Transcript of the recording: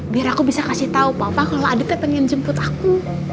biar aku bisa kasih tau papa kalau aditnya pengen jemput aku